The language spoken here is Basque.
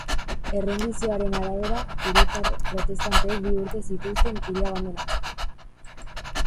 Errendizioaren arabera, hiritar protestanteek bi urte zituzten hiria abandonatzeko.